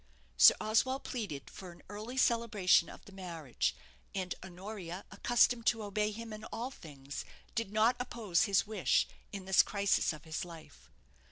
Sir Oswald pleaded for an early celebration of the marriage and Honoria, accustomed to obey him in all things, did not oppose his wish in this crisis of his life.